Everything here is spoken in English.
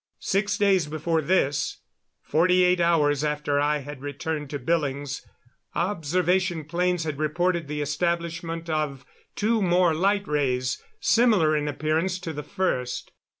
Six days before this, forty eight hours after I had returned to Billings, observation planes had reported the establishment of two more light rays, similar in appearance to the first.